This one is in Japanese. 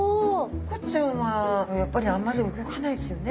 コチちゃんはやっぱりあんまり動かないですよね。